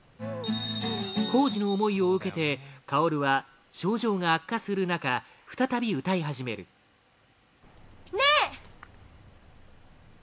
孝治の思いを受けて薫は症状が悪化する中再び歌い始める薫：ねえ！